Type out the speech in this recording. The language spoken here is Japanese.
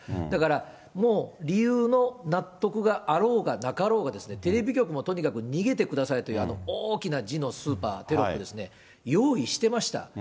だからもう、理由の納得があろうがなかろうが、テレビ局もとにかく逃げてくださいという、あの大きな字のスーパー、テロップですね、用意してました。